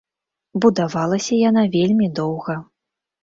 Будавалася яна вельмі доўга.